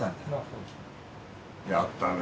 やったで。